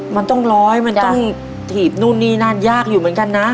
มันต้องร้อยมันต้องถีบนู่นนี่นั่นยากอยู่เหมือนกันนะ